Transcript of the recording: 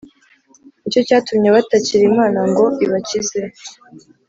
Nicyo cyatumye batakira imana ngo ibakize